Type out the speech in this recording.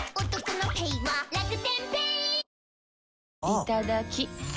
いただきっ！